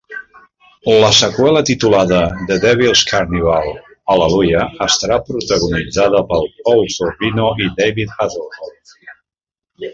La seqüela, titulada "The Devil's Carnival: Alleluia", estarà protagonitzada per Paul Sorvino i David Hasselhoff.